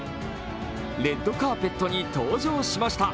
レッドカーペットに登場しました。